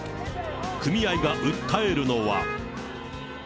組合が訴えるのは。